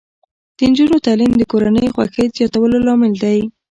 د نجونو تعلیم د کورنۍ خوښۍ زیاتولو لامل دی.